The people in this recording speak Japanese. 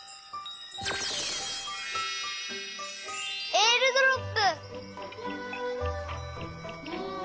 えーるドロップ！